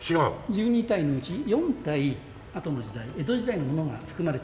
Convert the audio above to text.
１２体のうち４体あとの時代江戸時代のものが含まれて。